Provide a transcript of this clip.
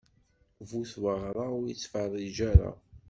Bu tmeɣṛa ur ittfeṛṛiǧ ara.